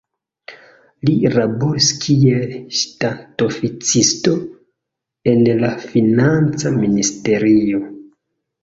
Li laboris kiel ŝtatoficisto en la financa ministerio.